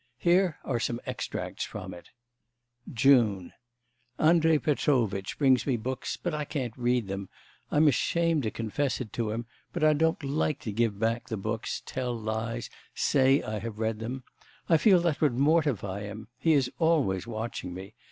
Here are some extracts from it: 'June.... Andrei Petrovitch brings me books, but I can't read them. I'm ashamed to confess it to him; but I don't like to give back the books, tell lies, say I have read them. I feel that would mortify him. He is always watching me.